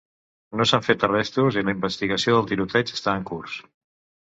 No s'han fet arrestos i la investigació del tiroteig està en curs.